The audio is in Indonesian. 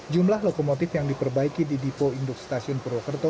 jumlah lokomotif yang diperbaiki di dipo induk stasiun purwokerto